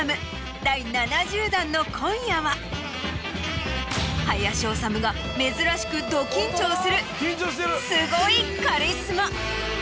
第７０弾の今夜は林修が珍しくド緊張するすごいカリスマ。